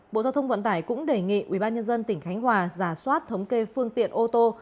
bộ giao thông vận tải cũng đề nghị ubnd tỉnh khánh hòa giả soát thống kê phương tiện ô tô